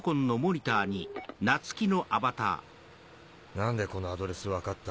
何でこのアドレス分かった？